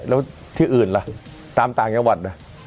แล้วที่อื่นล่ะตามต่างยาวรรษอ่ะ